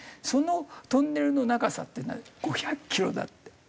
そのトンネルの長さっていうのは５００キロだって。